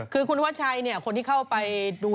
แกล้งแกล้งไงไม่รู้